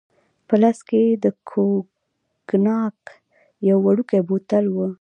په لاس کې يې د کوګناک یو وړوکی بوتل وو.